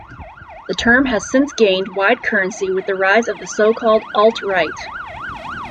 The term has since gained wide currency with the rise of the so-called "alt-right".